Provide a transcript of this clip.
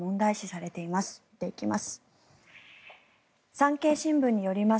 見ていきます。